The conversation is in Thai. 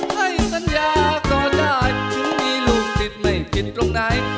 ให้สัญญาก็ได้ถึงมีลูกศิษย์ไม่ผิดตรงไหน